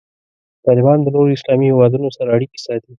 طالبان د نورو اسلامي هیوادونو سره اړیکې ساتي.